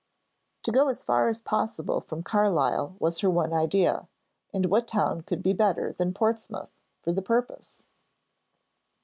To go as far as possible from Carlisle was her one idea, and what town could be better than Portsmouth for the purpose?